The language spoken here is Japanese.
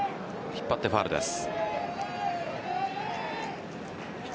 引っ張ってファウルです。